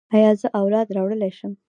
ایا زه اولاد راوړلی شم؟